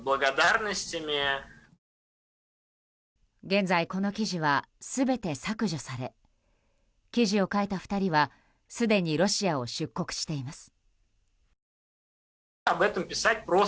現在、この記事は全て削除され記事を書いた２人はすでにロシアを出国しています。